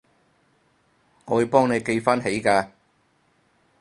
我會幫你記返起㗎